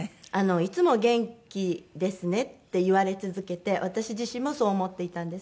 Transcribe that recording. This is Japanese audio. いつも元気ですねって言われ続けて私自身もそう思っていたんです。